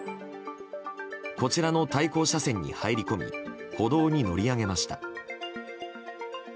こちらの対向車線に入り込み歩道に乗り上げました。